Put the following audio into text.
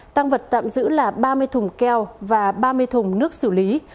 tăng vật tạm giữ là ba mươi thùng keo và ba mươi thùng nước xử lý